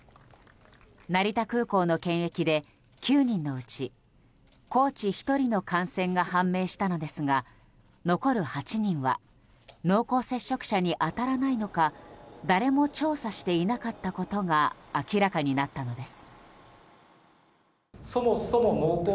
成田空港の検疫で９人のうち、コーチ１人の感染が判明したのですが残る８人は濃厚接触者に当たらないのか誰も調査していなかったことが明らかになったのです。